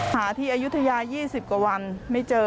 หาที่อายุทยา๒๐กว่าวันไม่เจอ